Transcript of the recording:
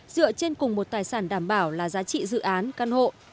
dựa trên cùng một tài sản đảm bảo là giá trị dự án căn hộ